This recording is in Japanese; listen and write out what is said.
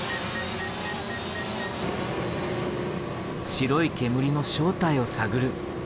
白い煙の正体を探る。